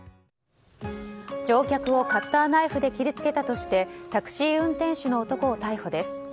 乗客をカッターナイフで切りつけたとしてタクシー運転手の男を逮捕です。